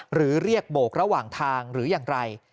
หรือเรียกโบกระหว่างทางหรืออย่างไร